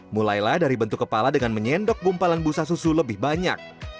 mulailah dari bentuk kepala dengan menyendok gumpalan busa susu lebih banyak